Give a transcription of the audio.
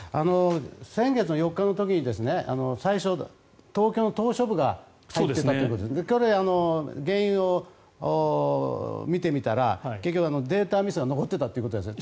先月４日の時に最初、東京の島しょ部が対象になっていたということで原因を見てみたら、データミスが残ってたということです。